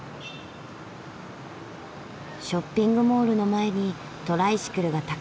ショッピングモールの前にトライシクルがたくさん並んでる。